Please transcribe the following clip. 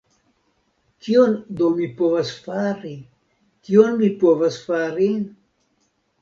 Kion do mi povas fari, kion mi povas fari?